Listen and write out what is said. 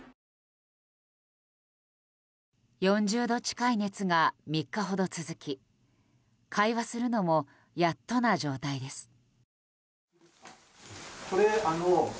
４０度近い熱が３日ほど続き会話するのもやっとな状態です。